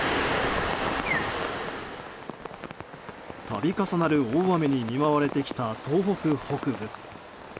度重なる大雨に見舞われてきた東北北部。